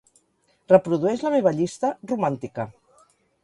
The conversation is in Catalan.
Reprodueix la meva llista "Romàntica"